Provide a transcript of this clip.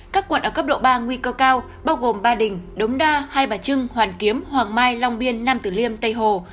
các quận ở cấp độ ba nguy cơ cao bao gồm ba đình đống đa hai bà trưng hoàn kiếm hoàng mai long biên nam tử liêm tây hồ